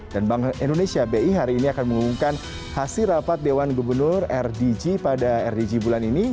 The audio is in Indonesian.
dan bank indonesia bi hari ini akan mengumumkan hasil rapat dewan gubernur rdg pada rdg bulan ini